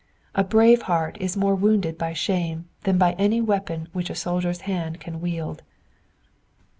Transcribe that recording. A brave heart is more wounded by shame than by any weapon which a soldier's hand can wield.